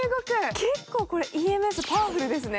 結構ＥＭＳ、パワフルですね。